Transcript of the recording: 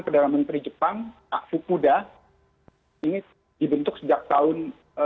karena menteri jepang pak fukuda ini dibentuk sejak tahun seribu sembilan ratus tujuh puluh lima